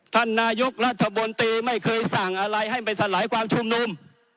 ท่านนายกรัฐมนตรีไม่เคยสั่งอะไรให้ไปสลายความชุมนุม